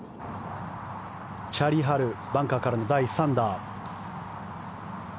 チャーリー・ハルバンカーからの第３打。